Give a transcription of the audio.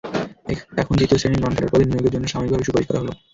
এখন দ্বিতীয় শ্রেণির নন-ক্যাডার পদে নিয়োগের জন্য সাময়িকভাবে সুপারিশ করা হলো।